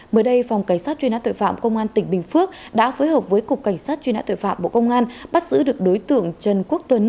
mới đây phòng cảnh sát truy nã tội phạm công an tỉnh bình phước đã phối hợp với cục cảnh sát truy nã tội phạm bộ công an bắt giữ được đối tượng trần quốc tuấn